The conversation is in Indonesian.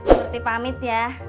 suri pamit ya